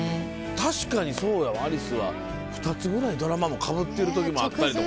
確かにそうやわアリスは２つぐらいドラマもかぶってる時もあったりとか。